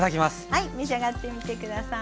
はい召し上がってみて下さい。